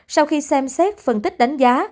sau khi xem xét phân tích đánh giá